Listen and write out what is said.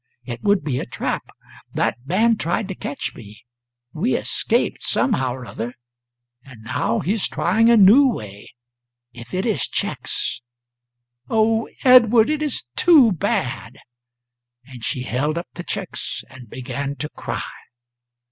It would be a trap. That man tried to catch me; we escaped somehow or other; and now he is trying a new way. If it is cheques " "Oh, Edward, it is too bad!" And she held up the cheques and began to cry.